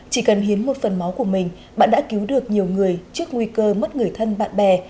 chỉ cần hiến một phần máu của mình bạn đã cứu được nhiều người trước nguy cơ mất người thân bạn bè